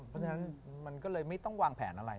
เพราะฉะนั้นมันก็เลยไม่ต้องวางแผนอะไร